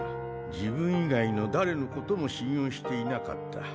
自分以外の誰のことも信用していなかった。